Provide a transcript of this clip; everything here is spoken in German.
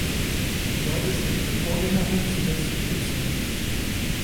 Dort ist ihre Vorgängerin zuletzt bezeugt.